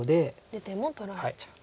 出ても取られちゃう。